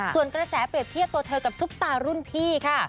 ส่วนกระแสเปรียบเทียบตัวเธอกับซุปตารุ่นพี่ค่ะ